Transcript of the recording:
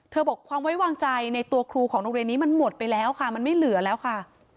บอกความไว้วางใจในตัวครูของโรงเรียนนี้มันหมดไปแล้วค่ะมันไม่เหลือแล้วค่ะ